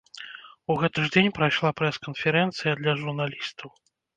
У гэты ж дзень прайшла прэс-канферэнцыя для журналістаў.